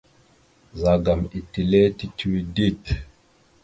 Ɓəzagaam etelle tituwe dik.